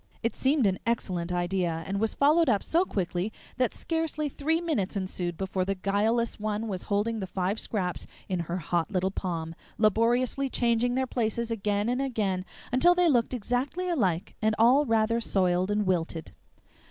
It seemed an excellent idea, and was followed up so quickly that scarcely three minutes ensued before the guileless one was holding the five scraps in her hot little palm, laboriously changing their places again and again until they looked exactly alike and all rather soiled and wilted.